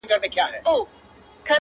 لکه ښه ورځ چي یې هیڅ نه وي لیدلې -